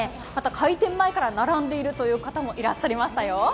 開店前から並んでいるという方もいらっしゃいましたよ。